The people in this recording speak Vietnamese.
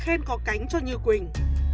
khen có cánh cho như quỳnh